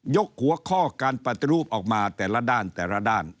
หัวข้อการปฏิรูปออกมาแต่ละด้านแต่ละด้าน